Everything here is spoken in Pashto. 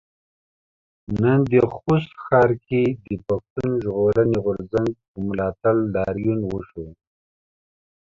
نن د خوست ښار کې د پښتون ژغورنې غورځنګ په ملاتړ لاريون وشو.